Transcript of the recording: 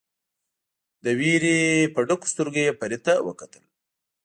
له وېرې په ډکو سترګو یې فرید ته وکتل.